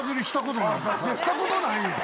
したことないんや？